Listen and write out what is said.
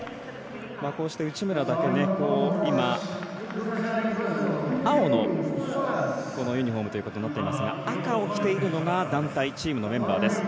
内村だけ青のユニフォームということになっていますが赤を着ているのが団体チームのメンバーです。